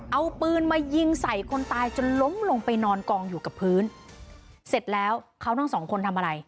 เอาปืนมายิงใส่คนตายจนล้มลงไปนอนกองอยู่กับพื้นเสร็จแล้วเขาทั้งสองคนทำอะไร